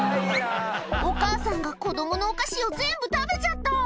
お母さんが子供のお菓子を全部食べちゃった！